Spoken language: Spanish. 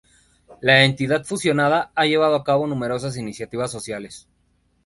La entidad fusionada ha llevado a cabo numerosas iniciativas sociales.